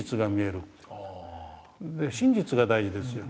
真実が大事ですよ